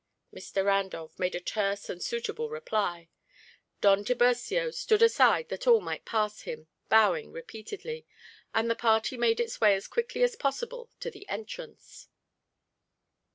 Mr. Randolph made a terse and suitable reply. Don Tiburcio stood aside that all might pass him, bowing repeatedly; and the party made its way as quickly as possible to the entrance.